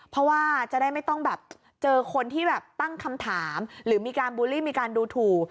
เพราะว่าจะได้ไม่ต้องแบบเจอคนที่แบบตั้งคำถามหรือมีการบูลลี่มีการดูถูก